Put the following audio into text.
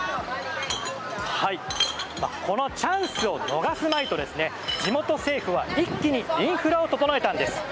このチャンスを逃すまいと地元政府は一気にインフラを整えたんです。